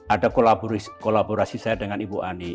ada kolaborasi saya dengan ibu ani